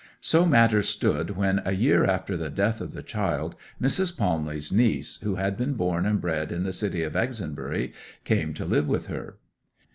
So matters stood when, a year after the death of the child, Mrs. Palmley's niece, who had been born and bred in the city of Exonbury, came to live with her.